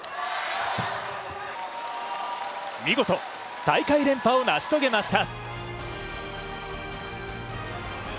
見事、大会連覇を成し遂げました。